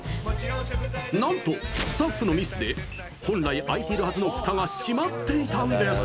なんとスタッフのミスで本来、開いてるはずのフタが閉まっていたんです。